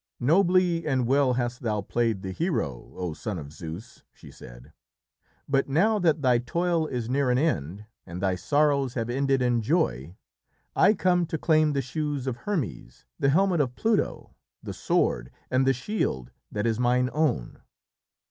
"Nobly and well hast thou played the hero, O son of Zeus!" she said; "but now that thy toil is near an end and thy sorrows have ended in joy, I come to claim the shoes of Hermes, the helmet of Pluto, the sword, and the shield that is mine own.